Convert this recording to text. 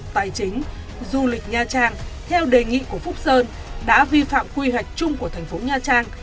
tài chính du lịch nha trang theo đề nghị của phúc sơn đã vi phạm quy hoạch chung của thành phố nha trang